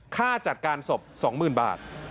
ค่าจัดการศพ๒๐๐๐บาท